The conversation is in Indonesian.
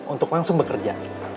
untuk langsung bekerja